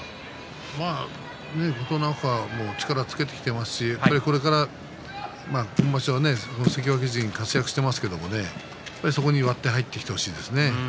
琴ノ若も力をつけてきていますしこれから、今場所は関脇陣活躍していますけれどもそこに割って入ってほしいですね。